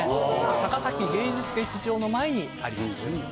高崎芸術劇場の前にあります。